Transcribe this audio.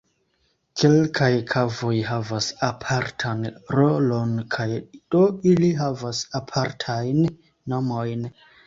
Kelkaj kavoj havas apartan rolon kaj do ili havas apartajn nomojn.